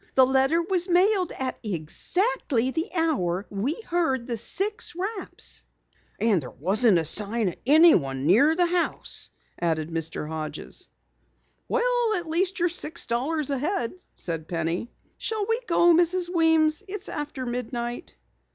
The letter was mailed at exactly the hour we heard the six raps!" "And there wasn't a sign of anyone near the house," added Mr. Hodges. "Well, at least you're six dollars ahead," said Penny. "Shall we go, Mrs. Weems? It's after midnight."